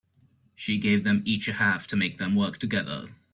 She gave them each a half to make them work together.